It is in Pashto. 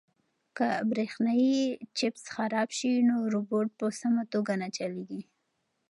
که برېښنايي چپس خراب شي نو روبوټ په سمه توګه نه چلیږي.